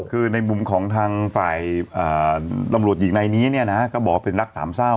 คือในมุมของทางฝ่ายตำรวจหญิงในนี้เนี่ยนะก็บอกว่าเป็นรักสามเศร้า